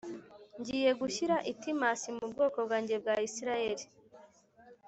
Ngiye gushyira itimasi mu bwoko bwanjye bwa isirayeli